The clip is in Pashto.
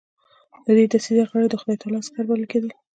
د دې دسیسې غړي د خدای تعالی عسکر بلل کېدل.